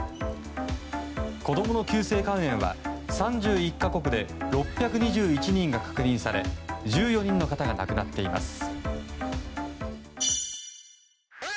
子供の急性肝炎は３１か国で６２１人が確認され１４人の方が亡くなっています。